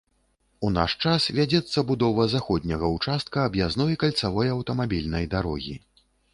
У наш час вядзецца будова заходняга ўчастка аб'язной кальцавой аўтамабільнай дарогі.